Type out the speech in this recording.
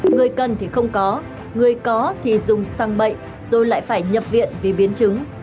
người cần thì không có người có thì dùng xăng bệnh rồi lại phải nhập viện vì biến chứng